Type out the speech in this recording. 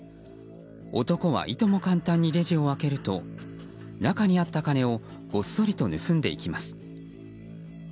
男はいとも簡単にレジを開けると中にあった金をごっそりと盗んでいきます。